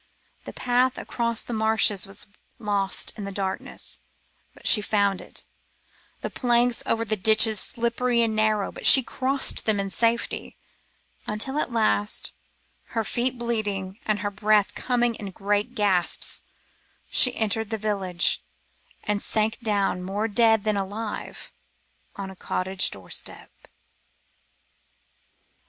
The path across the marshes was lost in the darkness, but she found it; the planks over the ditches slippery and narrow, but she crossed them in safety, until at last, her feet bleeding and her breath coming in great gasps, she entered the village and sank down more dead than alive on a cottage doorstep.